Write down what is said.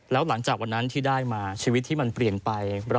แล้วหลังจากวันนั้นที่ได้มาชีวิตที่มันเปลี่ยนไป